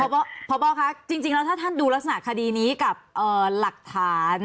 พบคะจริงแล้วถ้าท่านดูลักษณะคดีนี้กับหลักฐาน